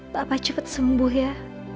papa cepet sembuh ya